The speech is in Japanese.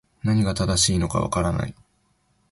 何が正しいのか分からない